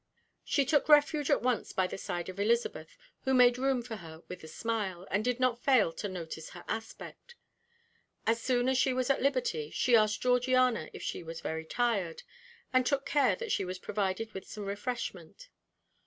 She took refuge at once by the side of Elizabeth, who made room for her with a smile, and did not fail to notice her aspect. As soon as she was at liberty, she asked Georgiana if she was very tired, and took care that she was provided with some refreshment.